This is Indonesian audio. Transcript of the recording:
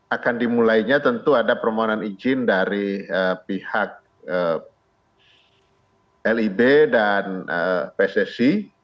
akan dimulainya tentu ada permohonan izin dari pihak lib dan pssi